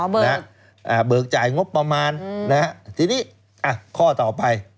เบิกนะฮะเบิกจ่ายงบประมาณนะฮะทีนี้อ่ะข้อต่อไป